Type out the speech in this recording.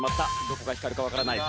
どこが光るかわからない。